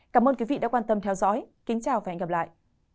cảm ơn quý vị đã quan tâm theo dõi kính chào và hẹn gặp lại